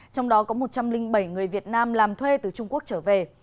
trong đó có một trăm linh bảy người việt nam làm thuê từ trung quốc trở về